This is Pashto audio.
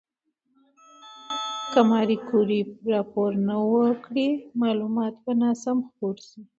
که ماري کوري راپور ونکړي، معلومات به ناسم خپور شي.